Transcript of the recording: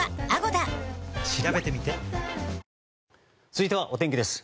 続いてはお天気です。